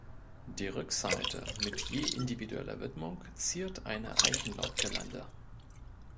Die Rückseite mit je individueller Widmung ziert eine Eichenlaub-Girlande.